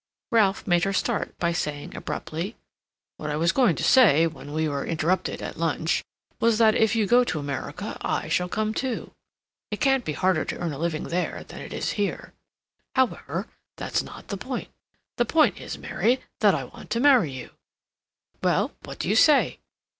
Ralph made her start by saying abruptly; "What I was going to say when we were interrupted at lunch was that if you go to America I shall come, too. It can't be harder to earn a living there than it is here. However, that's not the point. The point is, Mary, that I want to marry you. Well, what do you say?"